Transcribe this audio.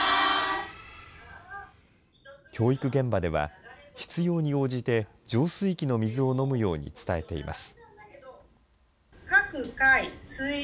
教育現場では、必要に応じて、浄水器の水を飲むように伝えています。